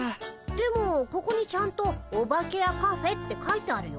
でもここにちゃんと「オバケやカフェ」って書いてあるよ。